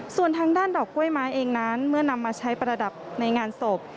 ส่วนทางด้านดอกกล้วยไม้เองนั้นเมื่อนำมาใช้ประดับในงานศพ